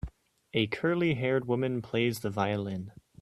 A curlyhaired woman plays the violin